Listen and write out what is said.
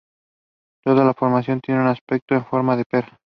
Toda la formación tiene un aspecto en forma de pera.